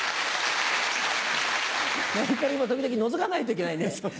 メルカリも時々のぞかないといけないね。